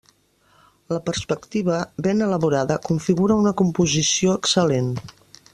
La perspectiva, ben elaborada, configura una composició excel·lent.